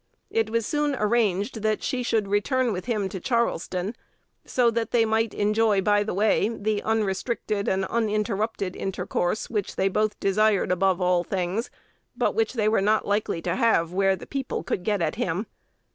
It was soon arranged that she should return with him to Charleston, so that they might enjoy by the way the unrestricted and uninterrupted intercourse which they both desired above all things, but which they were not likely to have where the people could get at him.